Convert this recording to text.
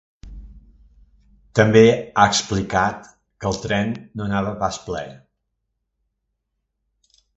També ha explicat que el tren no anava pas ple.